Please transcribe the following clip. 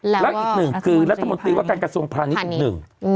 แล้วอีก๑คือรัฐมนตรีวัฒนากระทรวงพระนิส๑